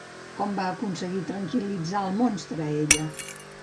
Com va aconseguir tranquil·litzar al monstre ella?